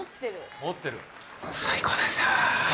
最高です。